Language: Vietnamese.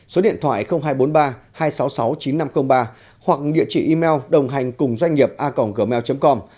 số điện thoại hai trăm bốn mươi ba hai trăm sáu mươi sáu chín nghìn năm trăm linh ba hoặc địa chỉ email đồng hành cùng doanh nghiệp a gmail com